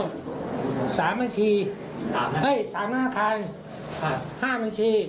ล้านสองห้าครับ